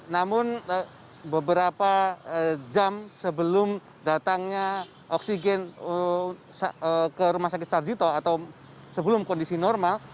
namun beberapa jam sebelum datangnya oksigen ke rumah sakit sarjito atau sebelum kondisi normal